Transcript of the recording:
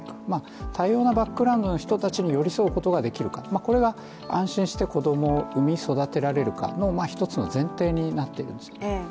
多様なバックグラウンドの人たちに寄り添うことができるか、これが安心して子供を産み、育てられるかの一つの前提になっているんです。